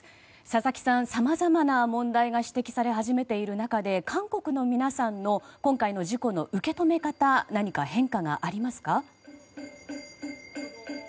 佐々木さん、さまざまな問題が指摘され始めている中で韓国の皆さんの今回の事故の受け止め方何か変化がありますか。